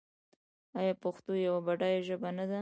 آیا پښتو یوه بډایه ژبه نه ده؟